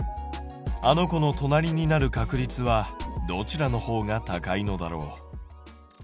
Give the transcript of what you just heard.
あの子の隣になる確率はどちらの方が高いのだろう？